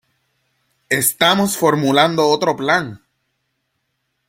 ¡ Estamos formulando otro plan!